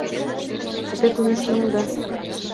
— А те кузе шонеда?